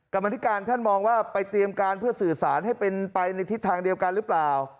กรรมธิการท่านมองว่าไปเตรียมการเพื่อสื่อสารให้เป็นไปในทิศทางเดียวกันหรือเปล่า